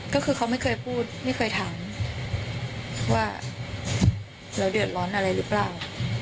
ก็คือเขาไม่เคยพูดไม่เคยถามว่าเราเดือดร้อนอะไรหรือเปล่า